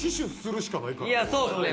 いやそうですね。